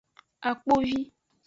Akpovi.